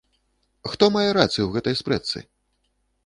Хто мае рацыю ў гэтай спрэчцы?